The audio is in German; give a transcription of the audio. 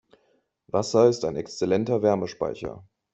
Wasser ist ein exzellenter Wärmespeicher.